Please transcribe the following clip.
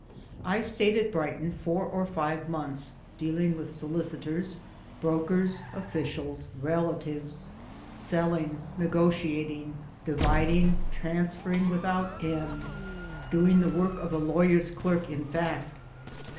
I stayed at Brighton four or five months, dealing with solicitors, brokers, officials, relatives selling, negotiating, dividing, transferring without end doing the work of a lawyer's clerk in fact.